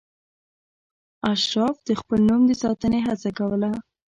اشراف د خپل نوم د ساتنې هڅه کوله.